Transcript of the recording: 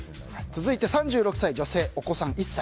続いて３６歳の女性お子さん、１歳。